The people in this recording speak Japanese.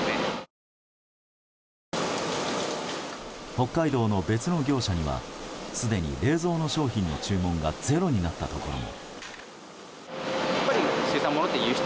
北海道の別の業者にはすでに冷蔵の商品の注文がゼロになったところも。